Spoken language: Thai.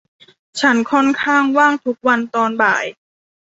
ฉันค่อนข้างว่างทุกวันตอนบ่าย